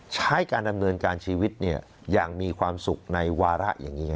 ใช้การดำเนินการชีวิตอย่างมีความสุขในวาระอย่างนี้